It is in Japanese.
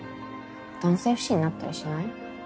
男性不信になったりしない？